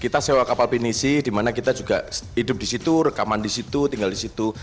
kita sewa kapal pinisi di mana kita juga hidup di situ rekaman di situ tinggal di situ